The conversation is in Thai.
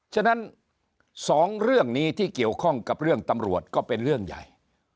ฉะนั้น๒เรื่องนี้ที่เกี่ยวข้องกับเรื่องตำรวจก็เป็นเรื่องใหญ่